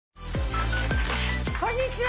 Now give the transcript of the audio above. こんにちは。